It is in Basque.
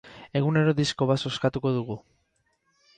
Egunero disko bat zozkatuko dugu.